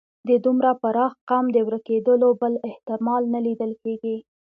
د دومره پراخ قوم د ورکېدلو بل احتمال نه لیدل کېږي.